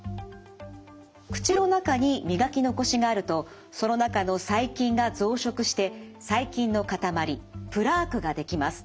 口の中に磨き残しがあるとその中の細菌が増殖して細菌の塊プラークが出来ます。